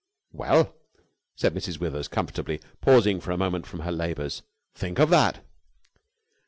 "Well!" said Mrs. Withers comfortably, pausing for a moment from her labours. "Think of that!"